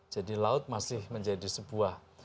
jadi laut masih menjadi sebuah